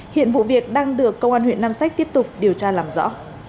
hiện vụ việc đang được công an huyện nam sách tiếp tục điều tra làm rõ